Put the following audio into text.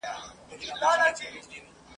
پرې به نه ږدمه چي يو سړى پر لار وي !.